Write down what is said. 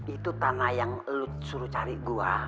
itu tanah yang lo suruh cari gue